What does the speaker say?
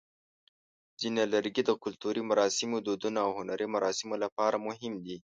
ځینې لرګي د کلتوري مراسمو، دودونو، او هنري مراسمو لپاره مهم دي.